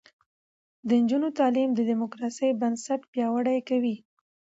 د نجونو تعلیم د دیموکراسۍ بنسټ پیاوړی کوي.